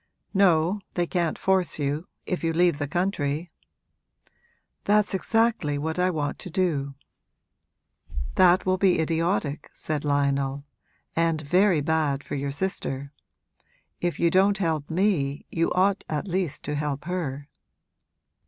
'No, they can't force you, if you leave the country.' 'That's exactly what I want to do.' 'That will be idiotic,' said Lionel, 'and very bad for your sister. If you don't help me you ought at least to help her.'